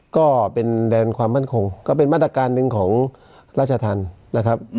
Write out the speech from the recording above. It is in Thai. ก็เป็นแดนความมั่นคงก็เป็นมาตรการหนึ่งของราชธรรมนะครับ